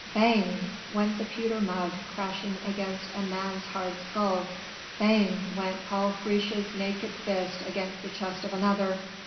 Bang! went the pewter mug crashing against a man's hard skull! Bang went Paul Friche's naked fist against the chest of another.